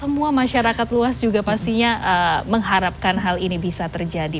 jadi juga semua masyarakat luas juga pastinya mengharapkan hal ini bisa terjadi